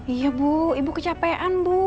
iya bu ibu kecapean bu